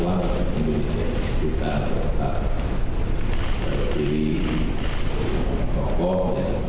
dan setakat kita berpikir kita harus jadi tokoh